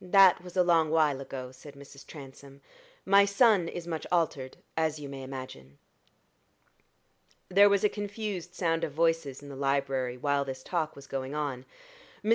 "That is a long while ago," said Mrs. Transome. "My son is much altered, as you may imagine." There was a confused sound of voices in the library while this talk was going on. Mrs.